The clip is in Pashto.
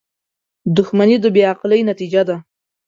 • دښمني د بې عقلۍ نتیجه ده.